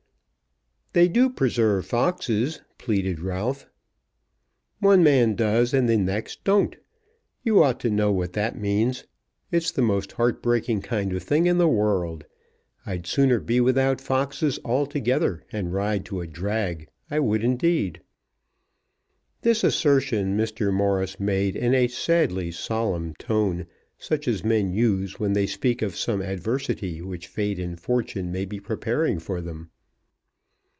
"They do preserve foxes," pleaded Ralph. "One man does, and the next don't. You ought to know what that means. It's the most heart breaking kind of thing in the world. I'd sooner be without foxes altogether, and ride to a drag; I would indeed." This assertion Mr. Morris made in a sadly solemn tone, such as men use when they speak of some adversity which fate and fortune may be preparing for them.